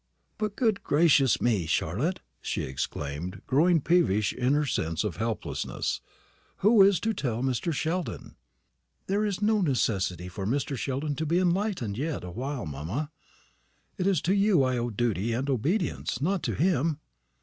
"But, good gracious me, Charlotte," she exclaimed, growing peevish in her sense of helplessness, "who is to tell Mr. Sheldon?" "There is no necessity for Mr. Sheldon to be enlightened yet awhile, mamma. It is to you I owe duty and obedience not to him.